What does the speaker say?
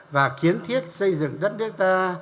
và kiến thiết xây dựng đất nước ta